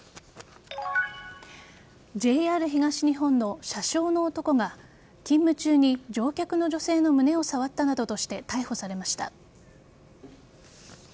ＪＲ東日本の車掌の男が勤務中に乗客の女性の胸を触ったなどとして逮捕されました。